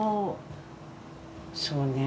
そうね